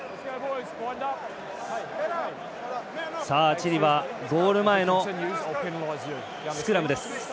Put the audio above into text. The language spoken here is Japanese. チリはゴール前のスクラムです。